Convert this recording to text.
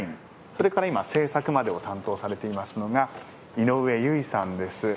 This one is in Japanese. それから今制作までを担当されていますのが井上由衣さんです。